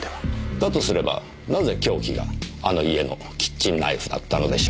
だとすればなぜ凶器があの家のキッチンナイフだったのでしょう。